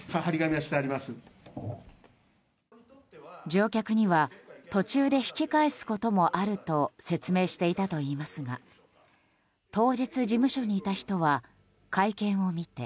乗客には途中で引き返すこともあると説明していたといいますが当日、事務所にいた人は会見を見て。